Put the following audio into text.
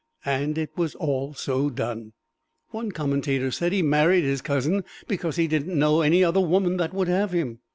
And it was all so done. One commentator said he married his cousin because he didn't know any other woman that would have him.